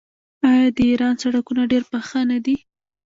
آیا د ایران سړکونه ډیر پاخه نه دي؟